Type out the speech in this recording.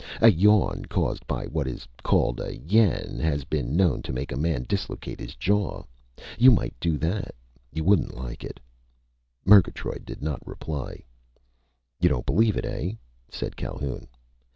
A yawn caused by what is called a yen has been known to make a man dislocate his jaw. You might do that. You wouldn't like it!" Murgatroyd did not reply. "You don't believe it, eh?" said Calhoun.